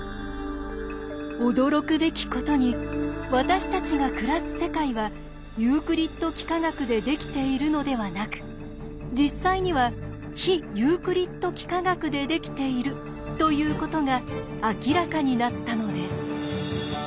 驚くべきことに私たちが暮らす世界はユークリッド幾何学でできているのではなく実際には非ユークリッド幾何学でできているということが明らかになったのです。